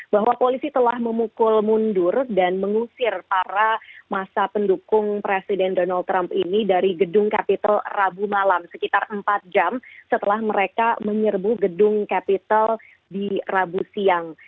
bahwa polisi telah memukul mundur dan mengusir para masa pendukung presiden donald trump ini dari gedung capitol rabu malam sekitar empat jam setelah mereka menyerbu gedung capital di rabu siang